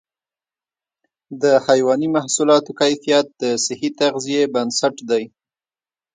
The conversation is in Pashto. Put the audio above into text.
د حيواني محصولاتو کیفیت د صحي تغذیې بنسټ دی.